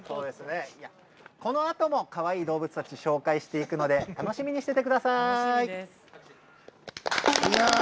このあともかわいい動物たち紹介していくので楽しみにしていてください。